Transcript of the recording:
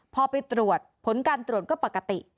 พอไปตรวจผลการตรวจก็ปกติ